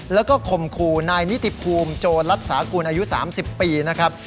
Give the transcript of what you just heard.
และก็คงคูลรายนิจบคู่โจรรัศนากลุ่นอายุ๓๐ปีนะครับ